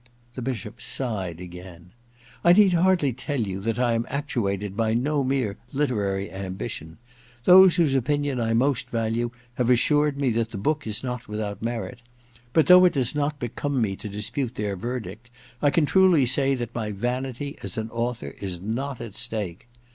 * The Bishop sighed again. * I need hardly tell you that I am actuated by no mere literary ambition. Those whose opinion I most value have assured me that the book is not without merit ; but, though it does not become me to dispute their veroict, I can truly say that my vanity as an author is not at stake.